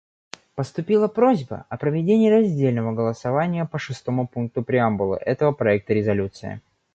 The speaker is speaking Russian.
Поступила просьба о проведении раздельного голосования по шестому пункту преамбулы этого проекта резолюции.